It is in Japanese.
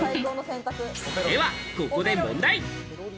ではここで問題。